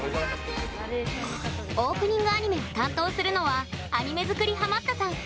オープニングアニメを担当するのはアニメ作りハマったさん